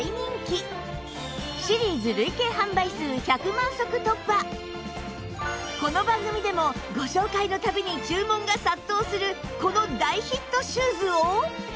なんとゴムでできたこの番組でもご紹介の度に注文が殺到するこの大ヒットシューズを